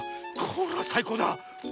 これはさいこうだ。